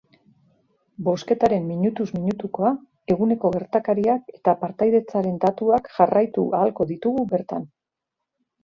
Bozketaren minutuz minutukoa, eguneko gertakariak eta partaidetzaren datuak jarraitu ahalko ditugu bertan.